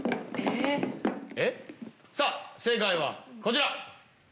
さぁ正解はこちら。